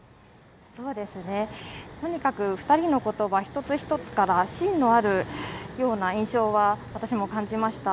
とにかく２人の言葉一つ一つから芯のあるような印象は私も感じました。